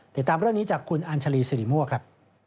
ติดตามเรื่องนี้จากคุณอัญชาลีสิริมั่วครับ